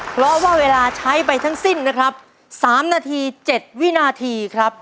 เพราะว่าเวลาใช้ไปทั้งสิ้นนะครับ๓นาที๗วินาทีครับ